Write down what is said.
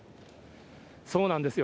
そうなんですよ。